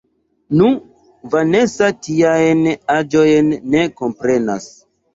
Nu, Vanesa tiajn aĵojn ne komprenas.